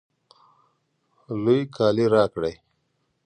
لوی کالی راکړئ